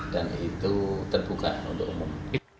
dan itu terbuka untuk umum